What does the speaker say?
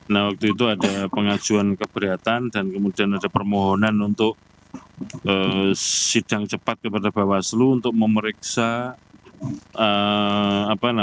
nah waktu itu ada pengajuan keberatan dan kemudian ada permohonan untuk sidang cepat kepada bawaslu untuk memeriksa